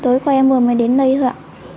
tối qua em vừa mới đến đây thôi ạ